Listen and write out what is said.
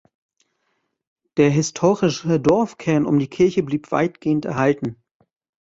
Der historische Dorfkern um die Kirche blieb weitgehend erhalten.